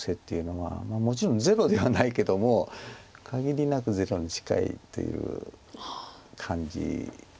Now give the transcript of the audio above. まあもちろんゼロではないけども限りなくゼロに近いという感じなんですよね。